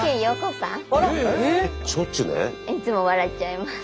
いつも笑っちゃいます。